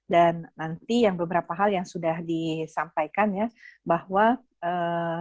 dan nanti yang beberapa hal yang sudah disampaikan ya bahwa jenis atau merek daripada vaksin gotong royong ini